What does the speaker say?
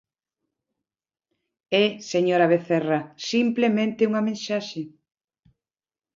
E, señora Vecerra, simplemente unha mensaxe.